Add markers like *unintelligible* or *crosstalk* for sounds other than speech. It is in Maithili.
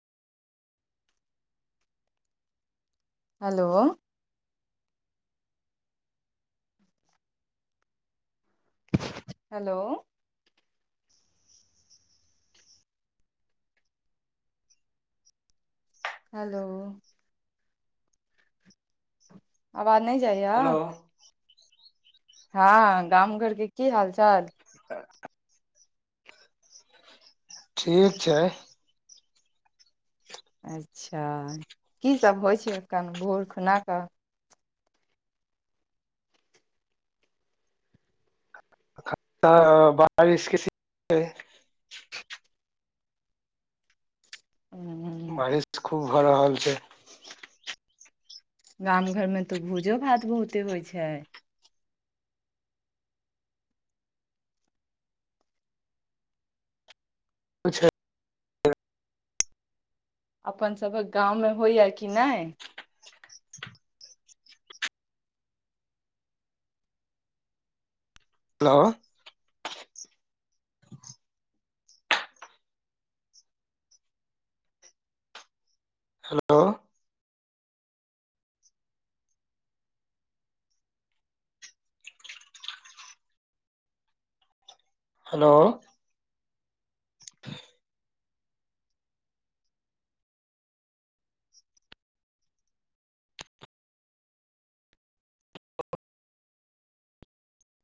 हेलो हेलो हेलो आवाज नहि जाइया हेलो हाँ गाम घर के की हाल चाल *inaudible* ठीक छै अच्छा की सब होय छै कन भोर खुना क बारिश के सी *unintelligible* *inaudible* ह बारिश खूब भ रहल छे गाम घर मे त भोजो भात बहुते होय छय अच्छा अपन सभक गाममे होइएा कि नय हेलो हेलो हेलो *inaudible*